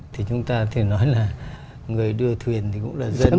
thì chúng ta thì nói là người đưa thuyền thì cũng là dân